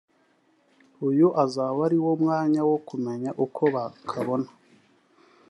Uyu uzaba ariwo mwanya wo kumenya uko bakabona